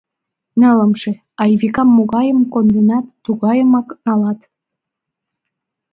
— Нылымше — Айвикам могайым коденат, тугайымак налат.